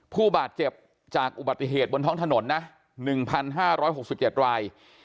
ผู้บาดเจ็บจากอุบัติเหตุบนท้องถนนนะ๑๕๖๗ราย